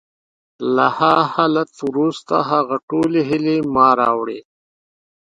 له هغه حالت وروسته، هغه ټولې هیلې ما راوړې